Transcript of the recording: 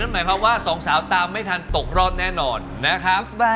นั่นไหมครับว่าสองสาวตามไม่ทันตกรอดแน่นอนนะครับ